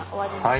はい。